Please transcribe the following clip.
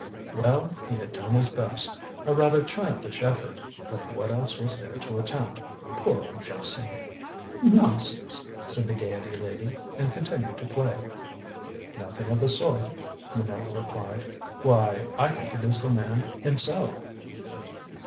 Well, he had done his best. A rather childish effort, but what else was there to attempt? Poor old Jephson! "Nonsense," said the Gaiety lady, and continued to play. "Nothing of the sort," Minot replied. "Why, I can produce the man himself."